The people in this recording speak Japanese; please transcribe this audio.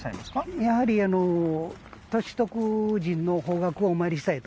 やはり歳徳神の方角をお参りしたいと。